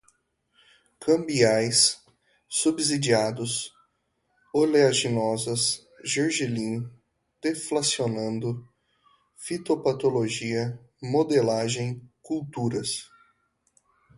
cambiais, subsidiados, oleaginosas, gergelim, deflacionando, fitopatologia, modelagem, culturas